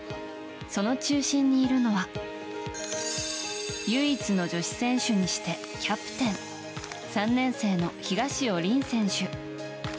その中心にいるのは唯一の女子選手にしてキャプテン３年生の東尾凜選手。